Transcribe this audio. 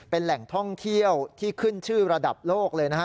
เป็นแหล่งท่องเที่ยวที่ขึ้นชื่อระดับโลกเลยนะฮะ